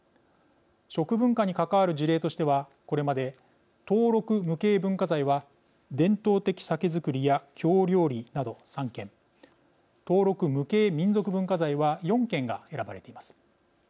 食文化に関わる事例としてはこれまで、登録無形文化財は伝統的酒造りや京料理など３件登録無形民俗文化財は４件が選ばれています。